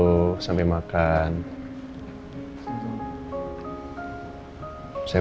ya udah kayak gimana minta mistress